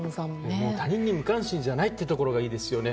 他人に無関心じゃないところがいいですよね。